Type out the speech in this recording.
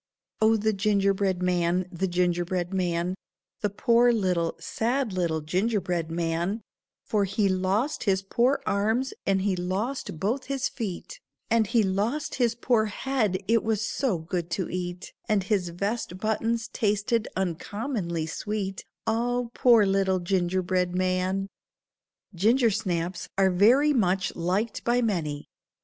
"Oh the ginger bread man, the ginger bread man, The poor little, sad little ginger bread man, For he lost his poor arms, and he lost both his feet, And he lost his poor head, it was so good to eat, And his vest buttons tasted uncommonly sweet, Ah, poor little ginger bread man." Gingersnaps are very much liked by many.